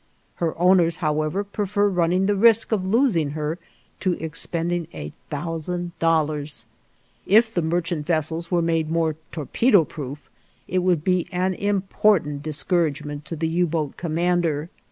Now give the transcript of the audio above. Her owners, however, prefer running the risk of losing her to expending a thousand dollars! If the merchant vessels were made more torpedo proof, it would be an important discouragement to the U boat commander.